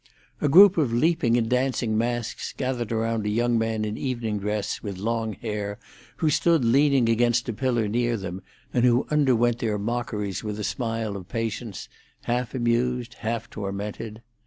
A group of leaping and dancing masks gathered around a young man in evening dress, with long hair, who stood leaning against a pillar near them, and who underwent their mockeries with a smile of patience, half amused, half tormented.